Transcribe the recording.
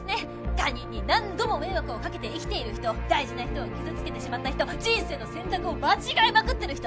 他人に何度も迷惑をかけて生きている人大事な人を傷つけてしまった人人生の選択を間違えまくってる人。